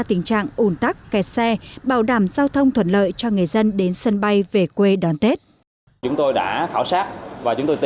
tình trạng ủn tắc kẹt xe bảo đảm giao thông thuận lợi cho người dân đến sân bay về quê đón tết